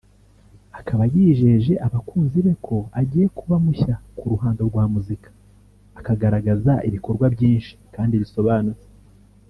akaba yijeje abakunzi beko agiye kuba mushya ku ruhando rwa muzika akagaragaza ibikorwa byinshi kandi bisobanutse